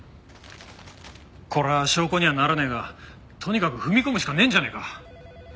これは証拠にはならねえがとにかく踏み込むしかねえんじゃねえか？